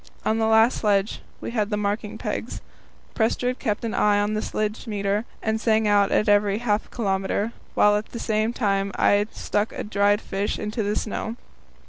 On the last sledge we had the marking pegs. Prestrud kept an eye on the sledge meter, and sang out at every half kilometre, while at the same time I stuck a dried fish into the snow.